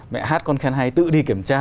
mẹ hát con khen hay tự đi kiểm tra